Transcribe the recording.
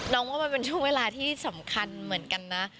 น้องว่ามันเป็นช่วงเวลาที่สำคัญเหมือนกันนะ